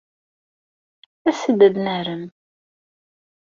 As-d ad narem!